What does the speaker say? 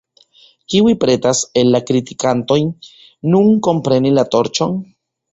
Kiuj pretas, el la kritikantoj, nun kunpreni la torĉon?